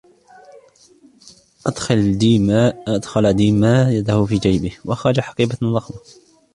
أدخل ديما يده في جيبه ، وأخرج حقيبةً ضخمةً.